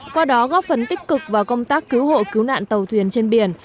qua đó góp phần tích cực vào công tác cứu hộ cứu nạn tàu thuyền trên biển